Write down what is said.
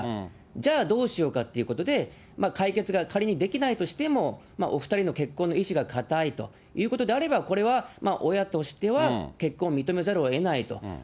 じゃあ、どうしようかっていうことで、解決が仮にできないとしても、お２人の結婚の意思が固いということであれば、これは親としては結婚を認めざるをえないと。